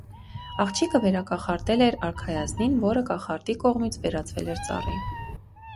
Աղջիկը վերակախարդել էր արքայազնին, որը կախարդի կողմից վերածվել էր ծառի։